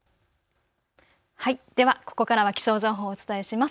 ではここからは気象情報をお伝えします。